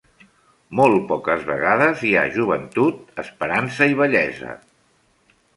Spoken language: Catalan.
Molt poques vegades hi ha joventut, esperança i bellesa.